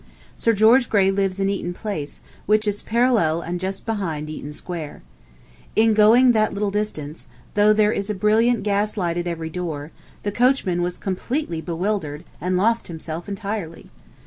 Sir George Grey lives in Eaton Place, which is parallel and just behind Eaton Square. In going that little distance, though there is a brilliant gas light at every door, the coachman was completely bewildered, and lost himself entirely.